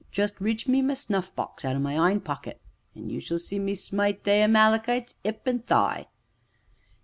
Jest reach me my snuff box out o' my 'ind pocket, an' you shall see me smite they Amalekites 'ip an' thigh."